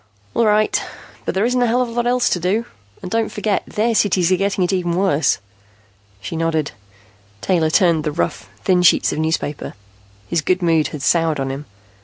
"All right, but there isn't a hell of a lot else to do. And don't forget, their cities are getting it even worse." She nodded. Taylor turned the rough, thin sheets of newspaper. His good mood had soured on him.